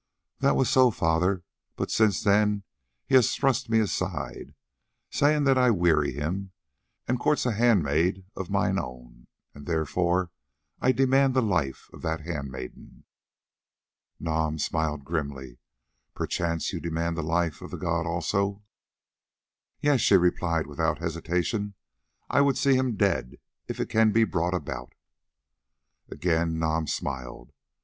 "That was so, father, but since then he has thrust me aside, saying that I weary him, and courts a handmaid of mine own, and therefore I demand the life of that handmaiden." Nam smiled grimly. "Perchance you demand the life of the god also?" "Yes," she replied without hesitation, "I would see him dead if it can be brought about." Again Nam smiled.